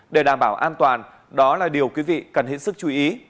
để đảm bảo an toàn đó là điều quý vị cần hết sức chú ý